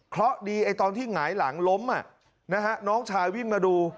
เพราะดีตอนที่หงายหลังล้มน้องชายวิ่งมาดู